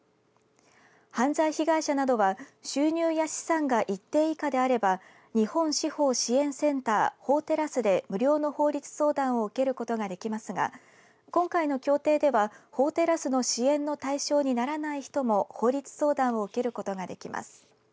犯罪被害者などは収入や資産が一定以下であれば日本司法支援センター法テラスで無料の法律相談を受けることができますが今回の協定では法テラスの支援の対象にならない人も法律相談を受けることができます。